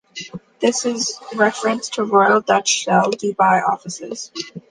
This is referenced to Royal Dutch Shell Dubai Offices.